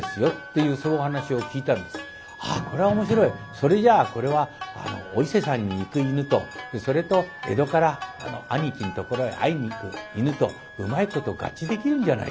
それじゃあこれはお伊勢さんに行く犬とそれと江戸から兄貴のところへ会いに行く犬とうまいこと合致できるんじゃないか」。